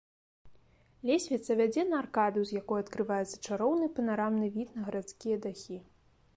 Лесвіца вядзе на аркаду, з якой адкрываецца чароўны панарамны від на гарадскія дахі.